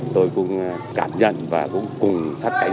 tôi cũng cảm nhận và cũng cùng sát cánh